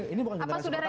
ini bukan generasi pertama